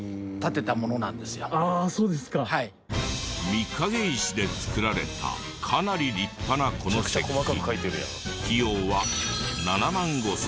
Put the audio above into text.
御影石で作られたかなり立派なこの石碑。